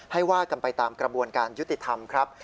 ว่ากันไปตามกระบวนการยุติธรรมครับ